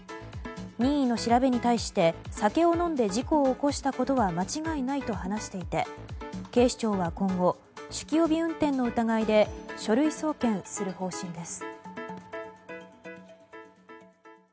任意の調べに対して酒を飲んで事故を起こしたことは間違いないと話していて警視庁は今後酒気帯び運転の疑いで書類送検する方針です。